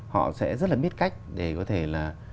họ sẽ rất là biết cách để có thể là